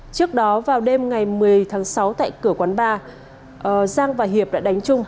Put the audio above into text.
trước đó vào đêm ngày một mươi tháng sáu tại cửa quán ba giang và hiệp đã đánh chung